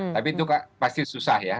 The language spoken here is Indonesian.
tapi itu pasti susah ya